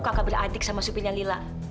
kakak beradik sama supirnya lila